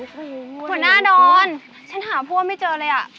หัวหน้าดอนฉันหาพวกไม่เจอเลยอ่ะ